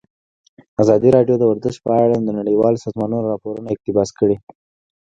ازادي راډیو د ورزش په اړه د نړیوالو سازمانونو راپورونه اقتباس کړي.